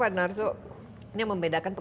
pak man arso ini membedakan